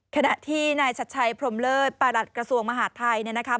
ขณะที่นายชัดชัยพรมเลิศประหลัดกระทรวงมหาดไทยเนี่ยนะคะ